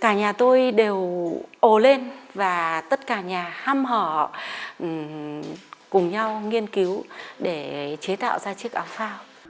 cả nhà tôi đều ồ lên và tất cả nhà hâm hở cùng nhau nghiên cứu để chế tạo ra chiếc áo phao